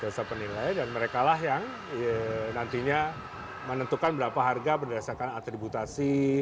jasa penilai dan mereka lah yang nantinya menentukan berapa harga berdasarkan atributasi